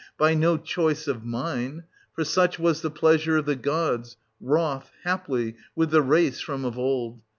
by no choice of mine : for such was the pleasure of the gods, wroth, haply, with the race from of old.